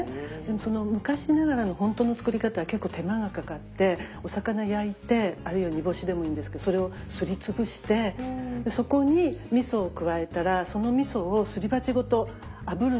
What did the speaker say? その昔ながらの本当の作り方は結構手間がかかってお魚焼いてあるいは煮干しでもいいんですけどそれをすり潰してそこにみそを加えたらそのみそをすり鉢ごとあぶるんですよ香ばしく。